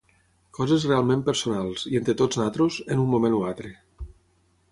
Coses realment personals, i entre tots nosaltres, en un moment o altre.